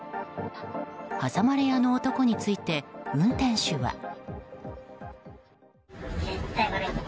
挟まれ屋の男について運転手は。